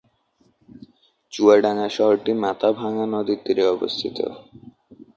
চুয়াডাঙ্গা শহরটি মাথাভাঙ্গা নদীর তীরে অবস্থিত।